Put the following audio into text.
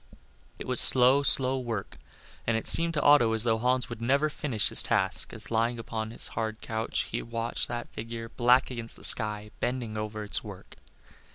It was slow, slow work, and it seemed to Otto as though Hans would never finish his task, as lying upon his hard couch he watched that figure, black against the sky, bending over its work.